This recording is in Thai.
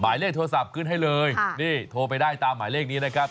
หมายเลขโทรศัพท์ขึ้นให้เลยนี่โทรไปได้ตามหมายเลขนี้นะครับ